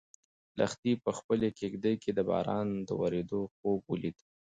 لښتې په خپلې کيږدۍ کې د باران د ورېدو خوب ولید.